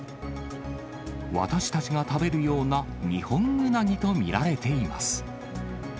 私たちが食べるようなニホンウナギと見られています。